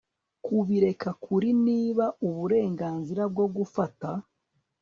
Kubireka kuri niba uburenganzira bwo gufata